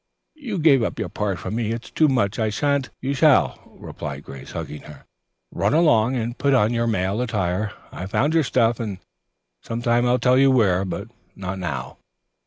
"You gave up your part for me. It's too much. I shan't " "You shall," replied Grace, hugging her. "Run along and put on male attire. I found your stuff and some time I'll tell you where, but not now."